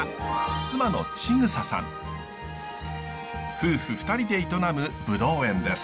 夫婦２人で営むブドウ園です。